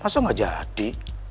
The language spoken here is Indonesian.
masa nggak jadi